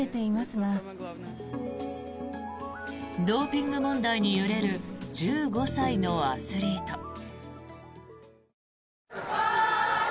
ドーピング問題に揺れる１５歳のアスリート。